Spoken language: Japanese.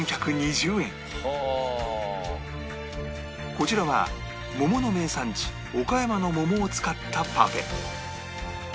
こちらは桃の名産地岡山の桃を使ったパフェ